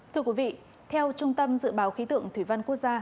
thưa quý vị theo trung tâm dự báo khí tượng thủy văn quốc gia